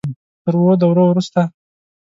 تر اوو دورو وروسته.